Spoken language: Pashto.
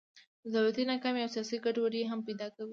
د دولتونو ناکامي او سیاسي ګډوډۍ هم پیدا کوي.